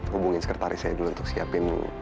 hubungin sekretaris saya dulu untuk siapin